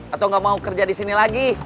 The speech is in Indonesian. atau nggak mau kerja di sini lagi